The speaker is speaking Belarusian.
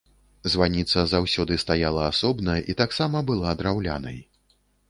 Званіца заўсёды стаяла асобна і таксама была драўлянай.